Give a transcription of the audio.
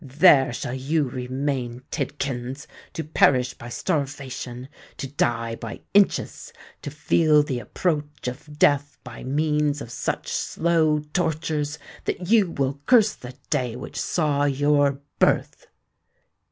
"There shall you remain, Tidkins—to perish by starvation—to die by inches—to feel the approach of Death by means of such slow tortures that you will curse the day which saw your birth!"